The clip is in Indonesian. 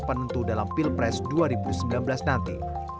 penentu dalam pilpres dua ribu sembilan belas nanti